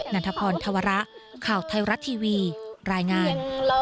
ันทพรธวระข่าวไทยรัฐทีวีรายงาน